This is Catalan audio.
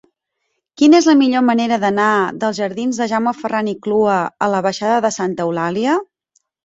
Quina és la millor manera d'anar dels jardins de Jaume Ferran i Clua a la baixada de Santa Eulàlia?